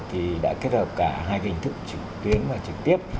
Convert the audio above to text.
thì đã kết hợp cả hai hình thức trực tuyến và trực tiếp